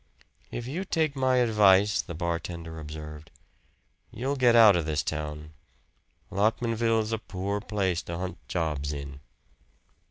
"If you take my advice," the bartender observed, "you'll get out of this town. Lockmanville's a poor place to hunt jobs in."